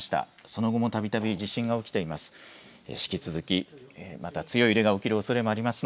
その後もたびたび地震が起きています。